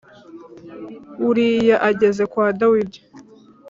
Uriya ageze kwa Dawidi